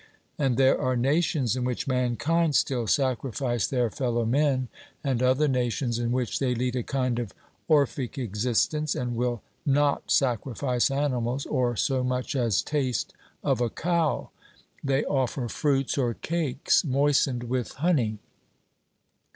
And there are nations in which mankind still sacrifice their fellow men, and other nations in which they lead a kind of Orphic existence, and will not sacrifice animals, or so much as taste of a cow they offer fruits or cakes moistened with honey.